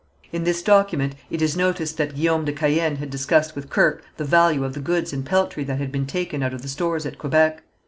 In this document it is noticed that Guillaume de Caën had discussed with Kirke the value of the goods and peltry that had been taken out of the stores at Quebec.